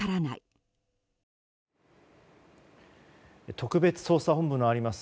特別捜査本部があります